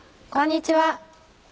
こんにちは。